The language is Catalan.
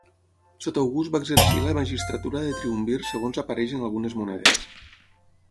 Sota August va exercir la magistratura de triumvir segons apareix en algunes monedes.